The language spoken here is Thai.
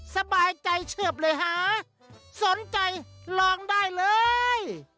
สบายใจเฉือบเลยฮะสนใจลองได้เลย